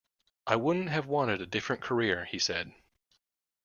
I wouldn't have wanted a different career, he said.